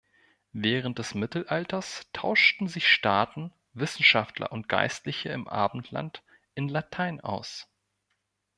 Während des Mittelalters tauschten sich Staaten, Wissenschaftler und Geistliche im Abendland in Latein aus.